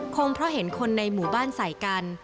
เพราะเห็นคนในหมู่บ้านใส่กัน